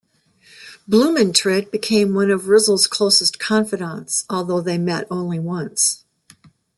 Blumentritt became one of Rizal's closest confidants although they met only once.